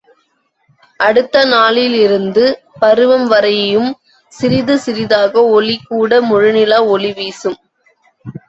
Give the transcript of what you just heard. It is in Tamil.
அடுத்த நாளிலிருந்து பருவம் வரையும் சிறிது சிறிதாக ஒளிகூட முழுநிலா ஒளி வீசும்.